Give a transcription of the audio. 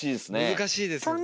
難しいですよね。